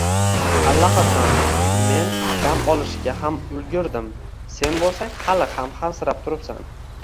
Allaqachon! Men dam olishga ham ulgurdim, sen bo’lsang, hali ham hansirab turibsan